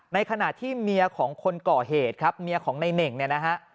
ในขณะที่เมียของคนก่อเหตุครับเมียของในเน่งเนี่ยนะฮะ